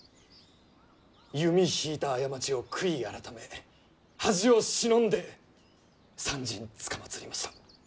弓引いた過ちを悔い改め恥を忍んで参陣つかまつりました。